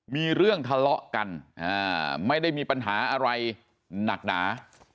มีเรื่องทะเลาะกันไม่ได้มีปัญหาอะไรหนักหนา